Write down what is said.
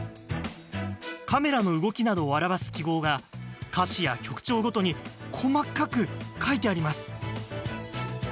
カメラの動きなどを表す記号が歌詞や曲調ごとに細かく書いてあります。